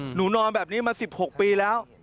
หนูนอนแบบนี้มา๑๖ปีแล้ว